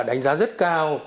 đánh giá rất cao